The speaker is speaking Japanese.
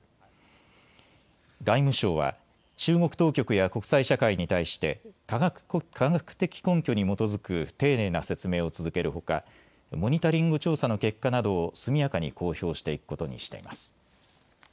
外務省は中国当局や国際社会に対して科学的根拠に基づく丁寧な説明を続けるほかモニタリング調査の結果などを速やかに公表していくことにしています。